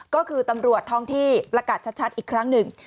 ก็คือตำรวจท้องที่ประกาศชัดอีกครั้งหนึ่ง